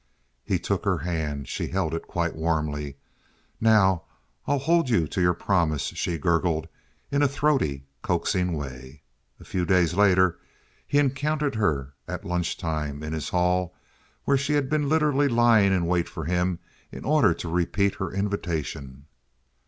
He took her hand. She held his quite warmly. "Now I'll hold you to your promise," she gurgled, in a throaty, coaxing way. A few days later he encountered her at lunch time in his hall, where she had been literally lying in wait for him in order to repeat her invitation.